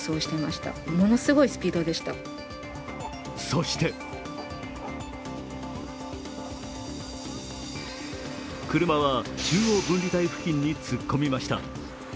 そして、車は中央分離帯付近に突っ込みました。